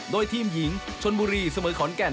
โดยทีมหญิงชนบุรีเสมอขอนแก่น